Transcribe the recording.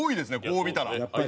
こう見たら。